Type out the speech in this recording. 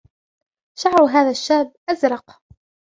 شعر هذا الشاب أزرق.